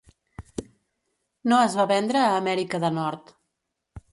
No es va vendre a Amèrica de Nord.